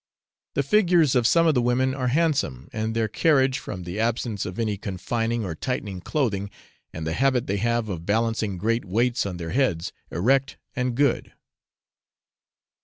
The figures of some of the women are handsome, and their carriage, from the absence of any confining or tightening clothing, and the habit they have of balancing great weights on their heads, erect and good.